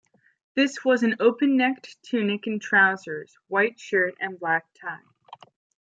This was an open-necked tunic and trousers, white shirt and black tie.